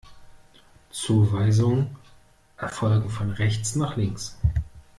Zuweisungen erfolgen von rechts nach links.